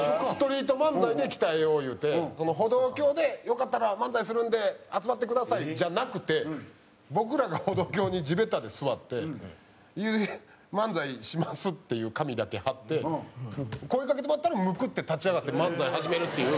言うて歩道橋で「よかったら漫才するんで集まってください」じゃなくて僕らが歩道橋に地べたで座って「漫才します」っていう紙だけ貼って声かけてもらったらムクって立ち上がって漫才始めるっていう